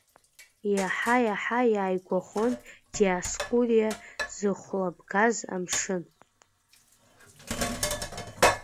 Иаҳа-иаҳа иааигәахон Диоскуриа зыхәлабгаз амшын.